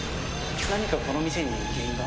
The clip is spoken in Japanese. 何かこの店に原因が？